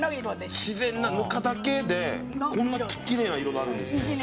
自然なぬかだけでこんなきれいな色になるんですね。